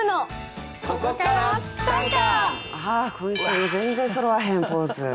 ああ今週も全然そろわへんポーズ。